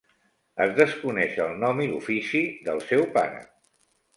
Es desconeix el nom i l'ofici del seu pare.